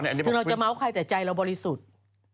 คือเราจะเมาส์ใครแต่ใจเราบริสุทธิ์